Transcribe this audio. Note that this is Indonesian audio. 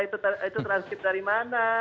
itu transkip dari mana